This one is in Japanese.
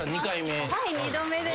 ２回目？